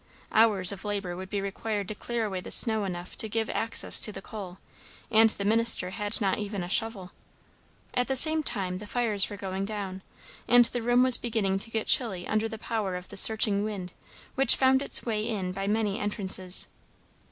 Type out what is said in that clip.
Hours of labour would be required to clear away the snow enough to give access to the coal; and the minister had not even a shovel. At the same time, the fires were going down, and the room was beginning to get chilly under the power of the searching wind, which found its way in by many entrances.